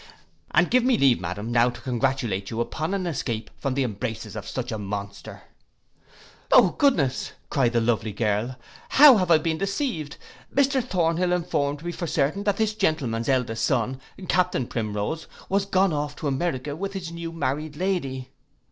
And give me leave, madam, now to congratulate you upon an escape from the embraces of such a monster.' 'O goodness,' cried the lovely girl, 'how have I been deceived! Mr Thornhill informed me for certain that this gentleman's eldest son, Captain Primrose, was gone off to America with his new married lady.